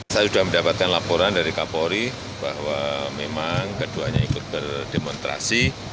saya sudah mendapatkan laporan dari kapolri bahwa memang keduanya ikut berdemonstrasi